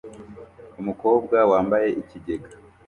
Umukobwa wambaye ikigega